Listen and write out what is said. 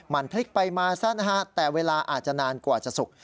มันพลิกไปมาซะนะฮะแต่เวลาอาจจะนานกว่าจะสุก